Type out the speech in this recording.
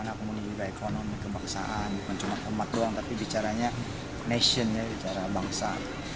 di mana aku menulisnya ekonomi kebangsaan bukan cuma keumat doang tapi bicaranya nation ya bicara bangsa